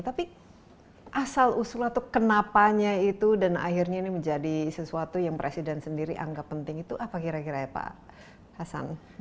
tapi asal usul atau kenapanya itu dan akhirnya ini menjadi sesuatu yang presiden sendiri anggap penting itu apa kira kira ya pak hasan